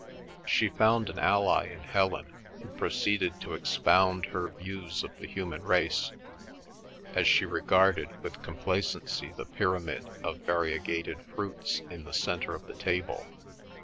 She found an ally in Helen, who proceeded to expound her views of the human race, as she regarded with complacency the pyramid of variegated fruits in the centre of the table.